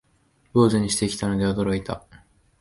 坊主にしてきたので驚いた